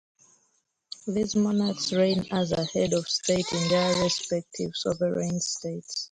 These monarchs reign as head of state in their respective sovereign states.